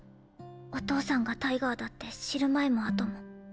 お父さんがタイガーだって知る前も後も。